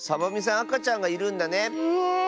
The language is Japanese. あかちゃんがいるんだね。